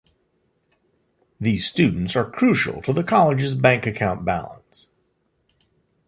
These students are crucial to the College's bank account balance.